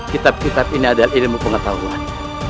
kitab kitab ini adalah ilmu pengetahuan